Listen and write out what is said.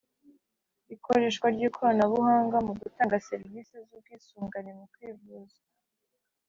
Ikoreshwa ry ikoranabuhanga mu gutanga serivisi z ubwisungane mu kwivuza